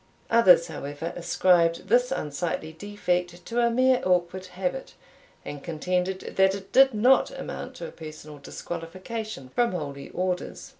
Others, however, ascribed this unsightly defect to a mere awkward habit, and contended that it did not amount to a personal disqualification from holy orders.